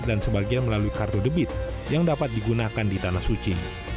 dan sebagian melalui kartu debit yang dapat digunakan di tanah suci